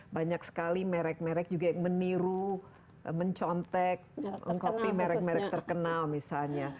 banyak sekali merek merek juga yang meniru mencontek mengkopi merek merek terkenal misalnya